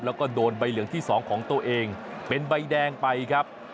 แล้วก็โดนใบเหลืองที่๒ของตัวเองเป็นใบแดงไปครับ